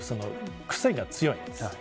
くせが強いんです。